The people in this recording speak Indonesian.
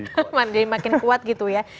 jadi makin kuat gitu ya